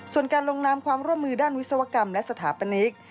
ส่วนการลงนามความร่วมมือด้านวิศวกรรมและสถาปนิก